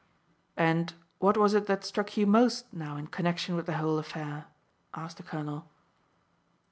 "And what was it that struck you most now in connection with the whole affair?" asked the colonel.